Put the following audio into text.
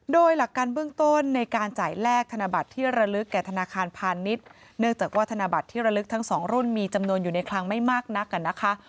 โดยหลักการเบื้องต้นในการจ่ายแลกธนบัตรที่ระลึกแก่ธนาคารพาณิชย์เนื่องจากว่าธนบัตรที่ระลึกทั้งสองรุ่นมีจำนวนอยู่ในคลังไม่มากนักกันนะคะ